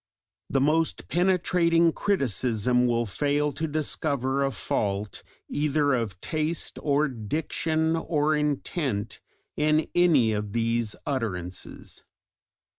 The most penetrating criticism will fail to discover a fault either of taste or diction or intent in any of these utterances.